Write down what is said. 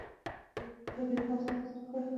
یو اوتو له برېښنا سره وصل کړئ.